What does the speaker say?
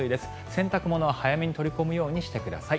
洗濯物は早めに取り込むようにしてください。